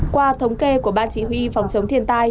qua thống kê của ban chỉ huy phòng chống thiên tai